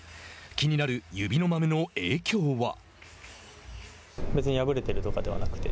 気になる指のまめの影響は？